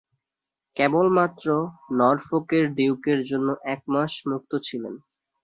কেবলমাত্র নরফোকের ডিউকের জন্য একমাস মুক্ত ছিলেন।